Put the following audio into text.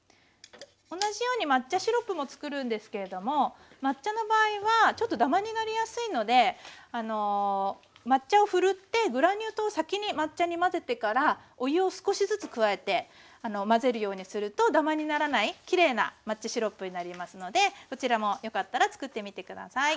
同じように抹茶シロップも作るんですけれども抹茶の場合はちょっとダマになりやすいので抹茶をふるってグラニュー糖を先に抹茶に混ぜてからお湯を少しずつ加えて混ぜるようにするとダマにならないきれいな抹茶シロップになりますのでこちらもよかったら作ってみて下さい。